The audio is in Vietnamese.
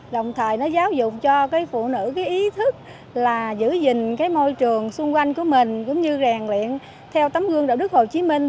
đồng thời nó giáo dục cho phụ nữ ý thức giữ gìn môi trường xung quanh của mình cũng như rèn luyện theo tấm gương đạo đức hồ chí minh